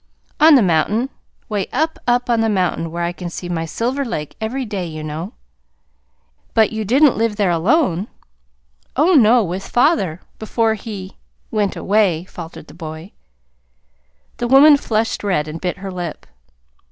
"On the mountain, 'way up, up on the mountain where I can see my Silver Lake every day, you know." "But you didn't live there alone?" "Oh, no; with father before he went away" faltered the boy. The woman flushed red and bit her lip.